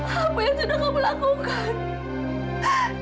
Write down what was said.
apa yang sudah kamu lakukan